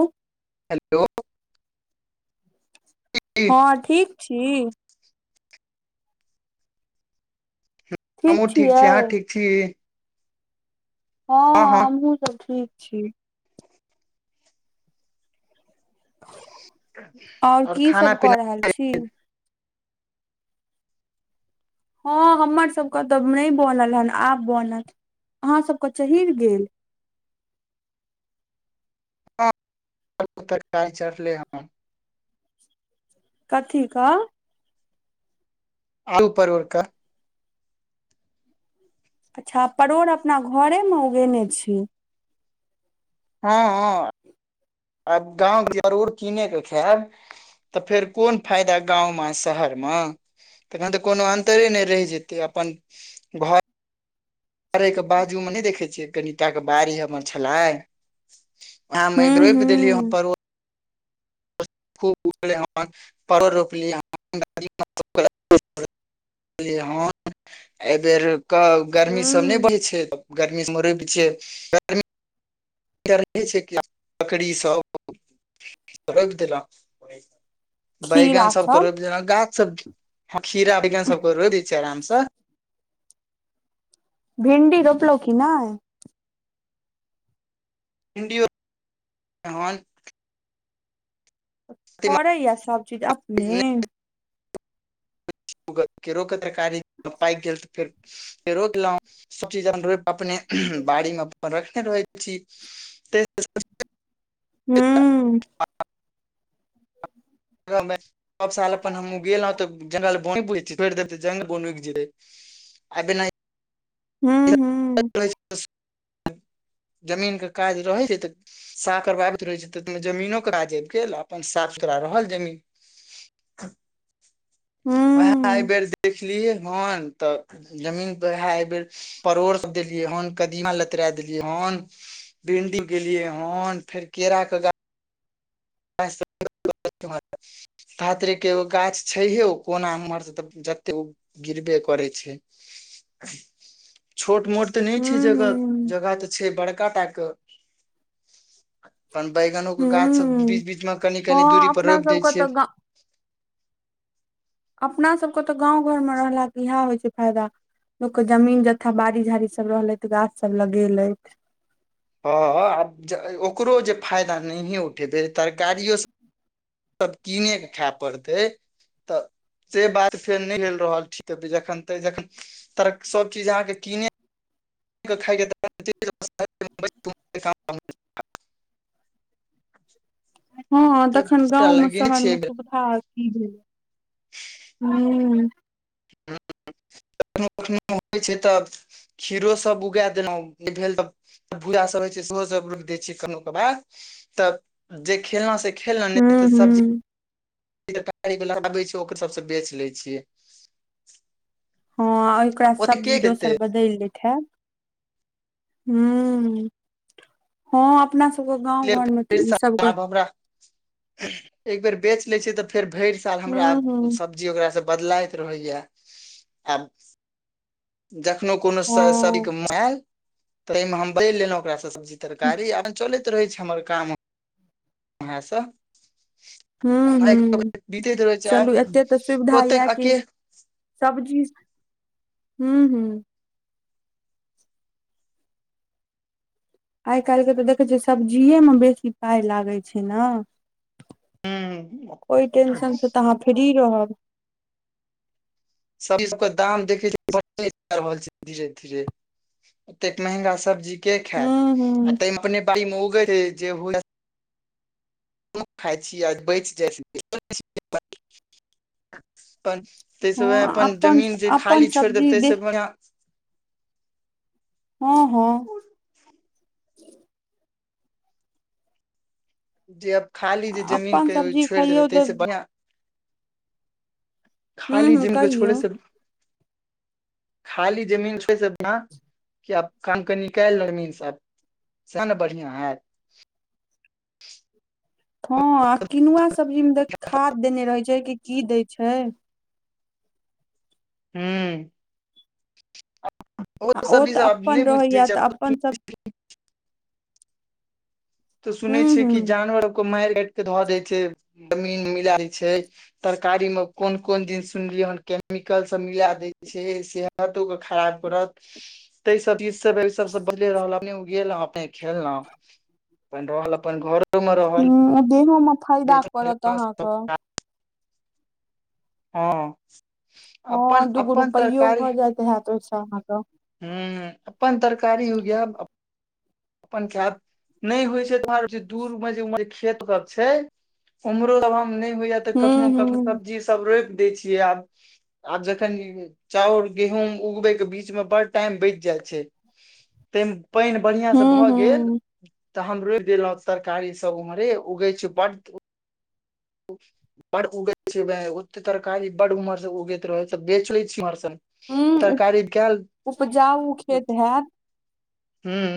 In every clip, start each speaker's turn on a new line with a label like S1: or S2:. S1: ओ
S2: hello जी
S1: हाँ ठीक छी
S2: हमहुँ ठीक छी अहाँ ठीक छी हँ
S1: हाँ
S2: हँ
S1: हमहुँ सब ठीक छी आओर की
S2: खाना
S1: सब
S2: पीना
S1: कऽ रहल छी हँ हमर सबके तऽ नहि बनल हेन आब बनत अहाँ सबके चढ़ि गेल
S2: तर काय चढ़ले हन
S1: कथी कऽ
S2: आलू परोर कऽ
S1: अच्छा परोड़ अपना घरेमे उगेने छी
S2: हँ हँ आब गाँव जरूर किने के खायब तऽ फेर कोन फायदा गाँवमे शहरमे तखन तऽ कोनो अन्त रे नै रहि जेतै अपन घर करै के बाजू में नहि देखै छियै कनिटा के बाड़ी हमर छलै ओहा में
S1: हूँ
S2: रोप देखिए हे
S1: हूँ
S2: परोड़ खूब उल पर रोपल [unintelligible] हाँ एहि बेेर कऽ गर्मी सब नहि
S1: हूँ
S2: होई छै गर्मीसँ रुप छियै गर्मी छै लकड़ी सब र रोप देलौ बैगन सब कर जेना गाछ सब हँ खीरा बिज्ञ सब करू रै दै छ आरामसँ
S1: भिंडी रोपलो कि नाई
S2: इणडियोहान
S1: पैय सब चीज अपने
S2: ओ के केड़ा तरकारी पाइक गेल तऽ फेर के रोकल हुँ सब चीज अपन र अपने बाड़ी मे अपन रखने रहै छी तऽ
S1: हुं
S2: सब साल अपन हम गेलं तऽ जंगल ब छोड़ देे जंगल बौन उगी जेतै अभ नहि
S1: हू हू
S2: जमीनके काज रहै छै तऽ सा करबाबैत रहैत छै तऽ जमीनो काज आब गेल अपन साफ करा रहल जमीन ह
S1: हूँ
S2: बेर देख सिखलि यै हन तऽ जमीन पर उह एहि बेर परोड़ सब देलियै हेन कदीमा लतरा देलियै हन भिंडी गेलियए हन फेर केरा के गाछ सब धात्रिक के एगो गाछ छैहौ कोना एम्हर त तऽ जते गिरबे करे छै छोट मोट तऽ नहि छै
S1: हूँ
S2: जगह
S1: हूँ
S2: जगह तऽ छै बड़का टा कऽ अपन बैंगनों के गाछ सब
S1: हूँ
S2: बीच बीच में कनि कनि
S1: हँ
S2: दूरी पर
S1: अपना
S2: रोपि देै
S1: सबके तऽ
S2: छियै
S1: गा अपना सब के तऽ गाँव घर मे रहला से इएह होइ छै फायदा लोक के जमीन जथा बाड़ी झाड़ी सब रहलै तऽ गाछ सब लगेलेथ
S2: हा आ ओकरो जे फायदा नहि उठेबे तरकारि यो सब सब कीने के खाय पड़तै तऽ से बात फेर नहि हेल रहल ठीक जखन ते जखन तर सब चीज अहाँके कीने के खइ के त
S1: हँ तखन
S2: सबटा
S1: गाँंव मे
S2: लगेने
S1: शहर
S2: छियै
S1: मे
S2: एहि बेर
S1: सुविधा ह हूँ
S2: खनो कखनो होइ छै तऽ खीरो सब उगा देलहुँ भेल तऽ भूजा सब होइ छै सेहो सब रोप दै छ कननो क बाद तऽ जे खेलना से खेलन नहि
S1: हूँ
S2: तऽ सब्जी
S1: हूँ
S2: लगाबै छै ओकर सब सँ बेच लै छियै
S1: हाँ ओकरा
S2: ओते
S1: सब्जी
S2: के
S1: दोसर
S2: खेतै
S1: बदल ले छै खेब ह हँ अपना सब सब गाँंव घर में
S2: फेर
S1: तऽ ई सब के
S2: आब हमरा एक बेर बेच ले छिय तऽ फेर भरि साल हमरा
S1: हूँ
S2: आब
S1: हूँ
S2: सब ज ओकास से बदलाैत रहैया आब जखनो कोनो
S1: हँ
S2: सरि के म आयल तमे हम बजि लेलहुँ ओकरा सब्जि तरकारी आर चलैत रहै छै हमर काम उहे सब
S1: हूँ हूँ
S2: दित रह छै
S1: चलू
S2: आई
S1: एते तऽ सुविधा
S2: ओते
S1: यए कि
S2: अी
S1: सब्जी हू हू आइ काल्हिके तऽ देखै छियै सब्जिए मे बेसी पाइ लागै छै ने
S2: ह
S1: कोइ टेंशन छै तऽ अहाँ फ्री रहब
S2: सब ची सब के दाम देखे छी रहल छै धीरे धीरे एतेक महंगा सब्जी के खायत
S1: हूं हूं
S2: आ तहिमे अपने मोग [unintelligible] खाइ छीय आ बचि जाई छीए अपन तहिस वह
S1: हँ
S2: अपन जमीन जे
S1: अपन
S2: खाली छोड़
S1: सब्जी
S2: देते से
S1: देख
S2: बढिया
S1: हँ हँ
S2: जे अब खाली जे जमीन
S1: अपन
S2: के
S1: सब्जी
S2: छोड़ि देबै
S1: खइयौ
S2: ताहि
S1: तऽ
S2: से बढ़िआँ
S1: हूं
S2: खाली
S1: हूं
S2: जमीन के छोड़े
S1: कहियौ
S2: से खाली जमीन छोड़े अपना कि आब काम कऽ निकाल लेब एहिमे से सह ने बढ़ियाँ हयैत
S1: हाँ आ किनुआ सब्जी मे देख खाद देने रहे छै कि की देय छै
S2: हुं
S1: ओ
S2: सब ई
S1: तऽ
S2: सब आब नहि
S1: अपन
S2: बुझै
S1: रहैया
S2: छै
S1: तऽ अपन सभ
S2: तऽ सुनै
S1: हूं
S2: छै
S1: हूं
S2: कि जानवर को मार काट के धऽ देै छै जमीन मिलाइ दै छै तरकारी में कोन कोन चिस सुनलियै हेन केमिकल सब मिला दै छै से हा तो के खराब करत ताहि सब चीज सब ई सब बदले रहल अपने गेल अपने खेलो अपन रहल अपन घरे में रहल
S1: हूं देहो में फायदा
S2: बेचल
S1: करत अहाँ के
S2: ओ सऽ
S1: हाँ दूगो रुपैयो भऽ जायइत हयत ओहि सँ अहाँ के
S2: हऽ अपन तरकारी उगोब अपन खेट नहि होइ छै तोहर दूर जे उमहर खेत सब छै उम्हरो आ हम नहि होइएा तऽ कखनो
S1: हूं
S2: कखनो
S1: हूं
S2: सब्जी सभ रोपि दै छियै आब आब जखन चाउर गेहूँम उगबे के बीच में बड़ टाइम बच जाइ छै ते में पाइन बढ़ियांँ से
S1: हूं
S2: भऽ गेल
S1: हूं
S2: तऽ हम रोप देलहुं तरकारी सब उमहरे उगै छै बडड बड उगै छै ओते तरकारी बड उमहर से उगैत रहै बेचले छी इमहरसन
S1: हूं
S2: तरकारी केल
S1: उपजाउ खेत हैत
S2: हुं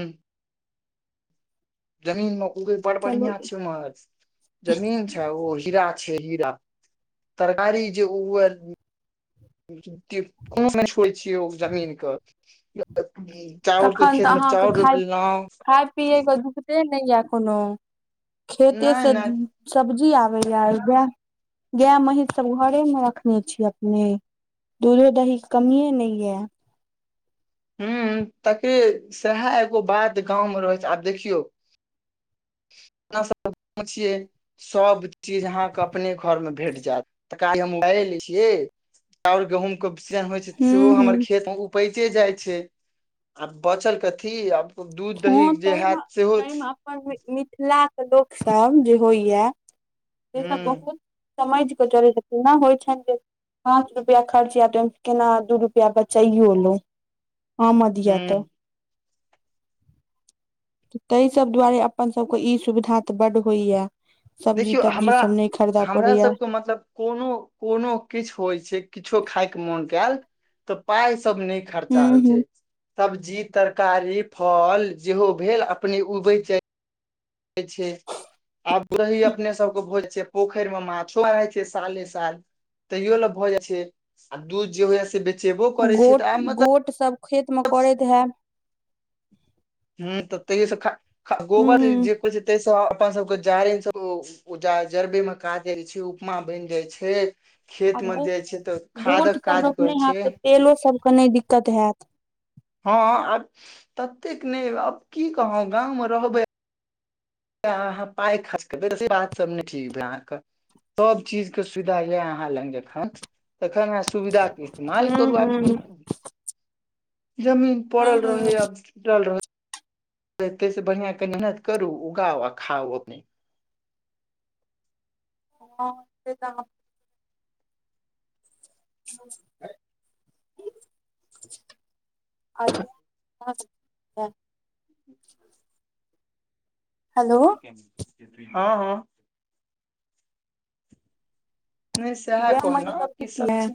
S2: जमीन म क बड़
S1: चलू
S2: बढ़िआं छै मर जमीन छै ओ हीरा छी हीरा तरकारी जे ओ कोनो नहि छोड़ै छियै ओ जमीन के य चाउल के खेत में चाउल रोप लहु
S1: पियए के दुखते नहि या कोनो खेते
S2: नहि
S1: से
S2: नहि
S1: सब्जी आबैया ग गाय महींष सब घरेमे रखने छी अपने दूधो दहि कमी ह नहिए
S2: ह ताकि सएह एगो बात गाँव में रहै छै आब देखियौ ना छियै सभ चीज अहाँके अपने घरमे भेट जायत छैाउर गहूॅं के सीजन होइ छै
S1: हूं
S2: सेहो
S1: हूं
S2: हमर खेत मे पैचे जाइ छै आब बचल कथी आब दूध दही जे हयत सेहो
S1: मिथिला के लोक सब जे होइया से सब
S2: ह
S1: बहुत समयके चर छथि नहि होइ छ जे पाँच रुपआ खर्च य तऽ ओहिमे केना दू रुपआ बचाइयो लो आमद यऽ तऽ
S2: हूँ
S1: ताहि सभ दुआरे अपन सभके ई सुविधा तऽ बड्ड होइया सब्जी
S2: देखियौ
S1: तब्जी
S2: हमरा
S1: सब नहि खरीदय
S2: हमरा
S1: पड़ैया
S2: सबके मतलब कोनो कोनो किछु होइ छै किछो खाय के मोन कल तऽ पाय सब न खर्चा होइ
S1: हूं हूं
S2: छै सब्जी तरकारी फल जेहो भेल अपने उगे छै छै आब दही अपने सबके भोज छ पोखरि मे माछो रहै छै साले साल तैयो ले भऽ जाय छै आ दूध जे होइया से बेच
S1: गोट गोट सभ खेत मे करैत है
S2: ह तऽ तैय गोबर
S1: हूँ
S2: जेइ छै ता अपन सबके जार ओ ज जरबे मे काज जाइ छै उपमा बनि जाइ छै
S1: आ
S2: खेत मे जाइ छै तऽ
S1: बूट
S2: खादक
S1: सब
S2: काज करै
S1: रोपने हत
S2: छै
S1: तऽ तेलो सबके नहि दिक्कत होयत
S2: हँ आ ततेक नहि आब की कहौ गाँं मे रहबै ताँ पाय खास करै बात सब ने ठीक है अहाँके सब चीज के सुविधा ये अहाँ लग जखन तखन सुविधा इस्तेमाल
S1: हूँ
S2: करू
S1: हूँ
S2: आब जमीन पड़ल
S1: हूँ
S2: रहै
S1: हूँ
S2: आब जूटल रहै स बढ़िआँ क मेहनत करू उगाउ आ खाउ अपने
S1: हँ से तऽ आ हेलो
S2: हँ हँ नहि सएह
S1: गाय महीष
S2: कहलहुँ
S1: सब
S2: की
S1: ठीक यै
S2: सबजी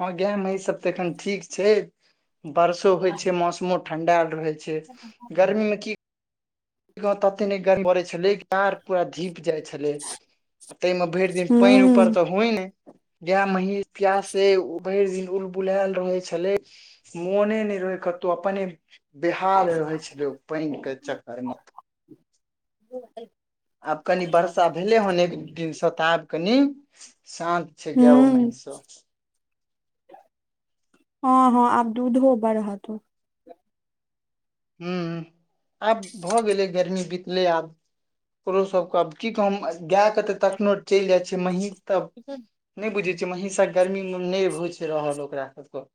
S2: हं गाय मे सब ते एखन ठीक छै बर्षो होय छै मौसमो ठंडाल रहे छै गर्मी मे की गर्मी पड़ छै लेकिन पू धीप जाइ छलै ताहि मे भरि दिन पानि ऊपर
S1: हूँ
S2: तऽ होइ ने गाय मह प्यास से भरि दिन उल बुलाल रहै छलै मने नहि रहै कतौ अपने बेहाल रहै छलै ओ पानि के चक्कर मे
S1: ओ
S2: आब कनि वर्षा भेलै हन एक दिनसँ तब कनि शान
S1: हू हँ हँ आब दूध होबा रहा त
S2: ह आब भऽ गेलै गर्मी बीतले आब ओकरोसभके आब की कह हम गाएके तऽ तखनहु चलि जाइ छियै महीँस तऽ नहि बुझै छियै हींषा गर्मी मे नहि होइ छै रहल ओकरा सबके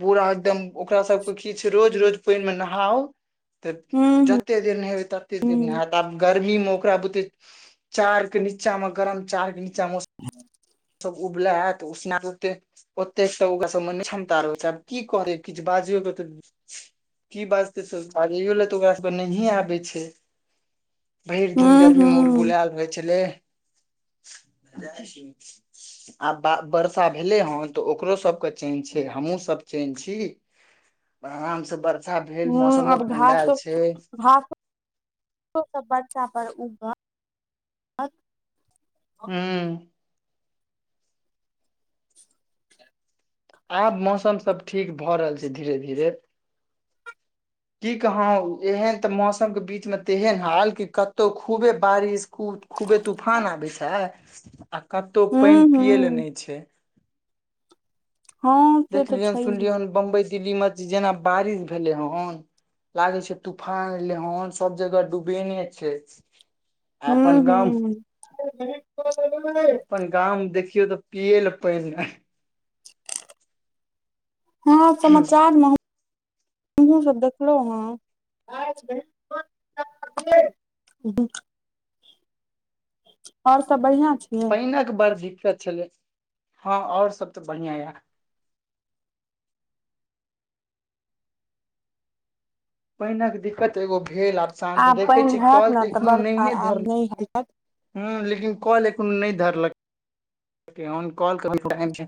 S2: पूरा एकदम ओकरा सबके की छै रोज रोज पानि मे नहाउ त
S1: हूँ
S2: जते देर नहेबे तते देर
S1: हूँ
S2: नहात ब गर्मी में ओकरा बुते चार के नीचा मे गरम चार के नीचा मे सब उबला हत उसना करते ओते त ओकरा सब क्षमता रहै छै आब की करै किछु बजियौ की बाजतै स बाजैयो लए तऽ ओकरा सब नहिए आबै छै भरि दिन
S1: हूँ
S2: गरमीमे
S1: हूँ
S2: उलबुलायल होइ छलै ह आब वर्षा भेलै हँ तऽ ओकरो सभके चैन छै हमहूँसभ चैनज छी आराम से वर्षा भेल मौसमो ठंडल छै
S1: घास सब बच्चा पर उर
S2: हू आब मौसम सब ठीक भऽ रहल छै धीरे धीरे की कहौ एहन तऽ मौसमके बीचमे तेहन हाल कि कतहु खूबे बारिश खूब खूबे तूफान आबै छै आ कतहु
S1: हूँ
S2: पानि पियए लए
S1: हूँ
S2: नहि छै
S1: हँ से तऽ
S2: देखलियै हन
S1: छैहे
S2: सुनलियै हन बम्बइ दिल्लीमे जेना बारिश भेलै हन लागे छै तूफान लेहान सब जगह डूबेने छै अपन
S1: ह्म हू
S2: गाम अपन गामवमे देखियौ तऽ पियए लए पानि नहि
S1: हँ समाचारमे हमहु सब देखलहुँ हँ [unintelligible] और सब बढ़ियां छी
S2: पने के बड़ दिक्कत छले हँ और सब ते बढ़िया य पानिक दिक्कत एगो भेल आसान तऽ
S1: आब
S2: देखै
S1: पानि
S2: छीिय
S1: हैत
S2: कल
S1: ने
S2: तऽ एखनोहु
S1: बरखा
S2: नहिए
S1: आब
S2: धर
S1: नहि हैत
S2: ह लेकिन कॉल एख नहि धरलक कॉल की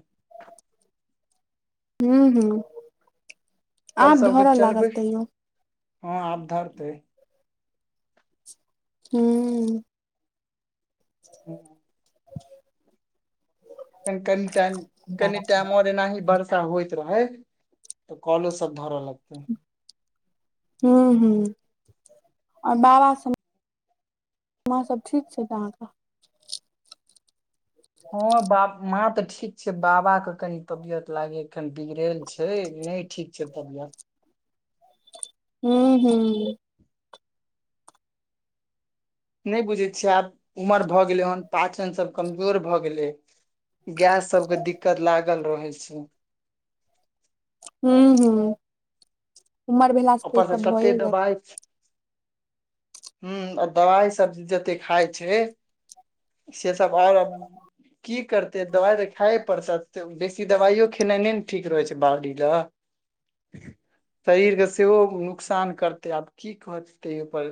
S1: हू ह
S2: कल
S1: आब
S2: सबके
S1: धरऽ
S2: चलबै
S1: लागत तैयो
S2: हँ आबधरतै
S1: हू
S2: ह क कनी टाइम कनी टाइम र न ही बरस होइत रहै तऽ कलो सब धरऽ लगतै
S1: हू ह ओर बाबा माँ सब ठीक छै त अहाँके
S2: हँ ब माँ तऽ ठीक छै बाबाके कनि तबियत लागेखन बिगड़ल छै नहि ठीक छै तबियत
S1: हू हू
S2: नहि बुझै छिय आब उमर भए गेलै हन पाचन सब कमजोर भए गेलै गैस सब के दिक्कत लागल रहे छै
S1: ह ह उमर भेलासँ तऽ ई
S2: ऊपर से
S1: सब
S2: कते
S1: भए जाय
S2: दबाइ ह आ दबाइ सब जते खाइ छै से सब ओर की करते दवाइ तऽ खाये पड़त बेसी दवाइयो खेनाइने ने ठीक रहे छै बाहड़री ले शरीर के सेहो नुकसान करतै आब की कहतै ओपर